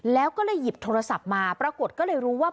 แล้วก็เลยหยิบโทรศัพท์มาปรากฏก็เลยรู้ว่า